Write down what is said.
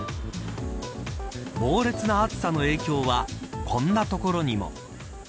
猛烈な暑さの影響はこんな所にも。